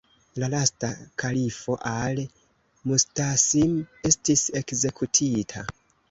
La lasta kalifo Al-Mustasim estis ekzekutita.